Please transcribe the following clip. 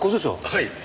はい。